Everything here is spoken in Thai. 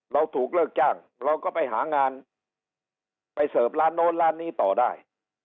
เราถูกเลิกจ้างเราก็ไปหางานไปเสิร์ฟร้านโน้นร้านนี้ต่อได้